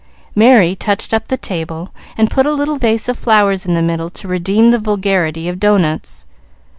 Merry touched up the table, and put a little vase of flowers in the middle to redeem the vulgarity of doughnuts.